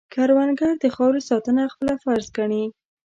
کروندګر د خاورې ساتنه خپله فرض ګڼي